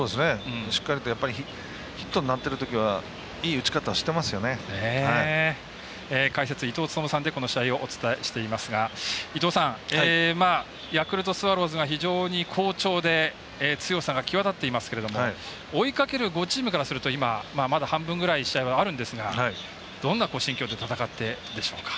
しっかりとヒットになってるときは解説、伊東勤さんでこの試合をお伝えしていますが伊東さん、ヤクルトスワローズが非常に好調で強さが際立っていますけれども追いかける５チームからするとまだ半分ぐらい試合はあるんですがどんな心境で戦っているんでしょうか？